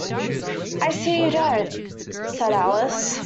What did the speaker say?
‘I see you don’t,’ said Alice.